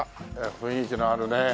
雰囲気のあるね。